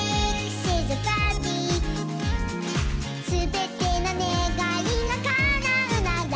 「すべてのねがいがかなうなら」